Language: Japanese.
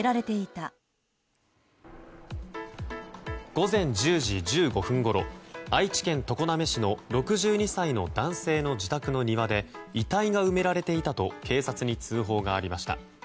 午前１０時１５分ごろ愛知県常滑市の６２歳の男性の自宅の庭で遺体が埋められていたと警察に通報がありました。